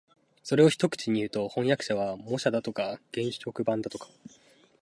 それを一口にいうと、飜訳者は模写だとか原色版だとか